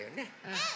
うん！